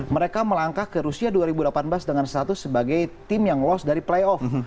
mereka melangkah ke rusia dua ribu delapan belas dengan status sebagai tim yang lost dari playoff